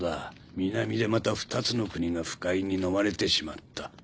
南でまた２つの国が腐海にのまれてしまった。